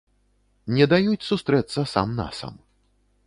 Не даюць сустрэцца сам-насам.